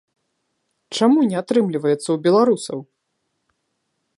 Чаму не атрымліваецца ў беларусаў?